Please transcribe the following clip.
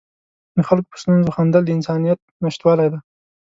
د خلکو په ستونزو خندل د انسانیت نشتوالی دی.